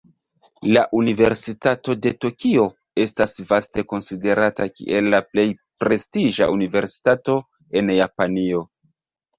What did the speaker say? La Universitato de Tokio estas vaste konsiderata kiel la plej prestiĝa universitato en Japanio.